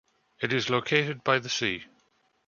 It is located by the sea.